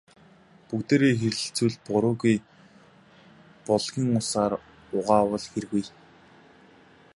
Бүгдээрээ хэлэлцвэл буруугүй, булгийн усаар угаавал хиргүй.